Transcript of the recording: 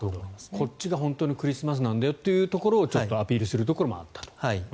こっちが本当のクリスマスなんだよというところをアピールするというのもあったと。